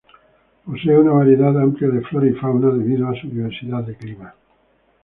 Posee una variedad amplia de flora y fauna, debido a su diversidad de clima.